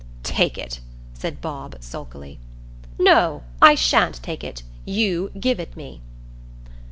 "Take it," said Bob, sulkily. "No, I sha'n't take it; you give it me."